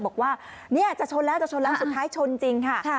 บอกว่านี่จะชนแล้วสุดท้ายชนจริงค่ะ